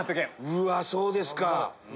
うわっそうですか。